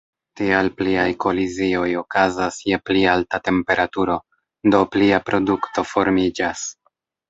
Tial pliaj kolizioj okazas je pli alta temperaturo, do plia produkto formiĝas.